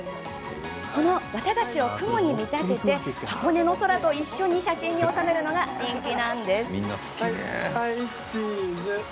この綿菓子を雲に見立て箱根の空と一緒に写真に収めるのが人気なんです。